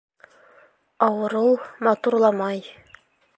Ауырыу матурламай.